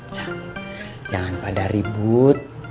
jangan jangan pada ribut